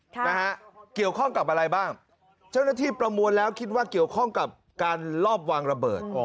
ค่ะนะฮะเกี่ยวข้องกับอะไรบ้างเจ้าหน้าที่ประมวลแล้วคิดว่าเกี่ยวข้องกับการลอบวางระเบิดอ๋อ